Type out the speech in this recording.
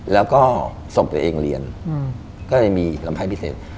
แล้วก็ส่งตัวเองเรียนก็เลยมีลำไพ่พิเศษ